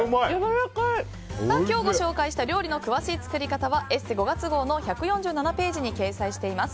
今日ご紹介した料理の詳しい作り方は「ＥＳＳＥ」５月号の１４７ページに掲載しています。